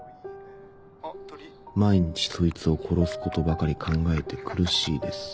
毎日そいつを殺すことばかり考えて苦しいです。